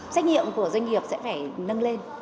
trách nhiệm của doanh nghiệp sẽ phải nâng lên